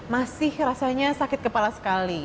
masih rasanya sakit kepala sekali